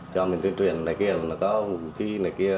cho mình tuyển tuyển này kia nó có vũ khí này kia